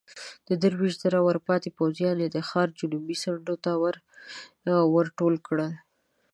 درويشت زره ورپاتې پوځيان يې د ښار جنوبي څنډو ته ورټول کړل.